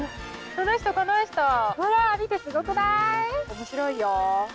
面白いよ。